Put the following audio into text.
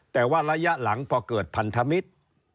แต่ว่าระยะหลังพอเกิดพันธมิตร